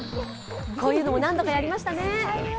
こういうのも何度かやりましたね。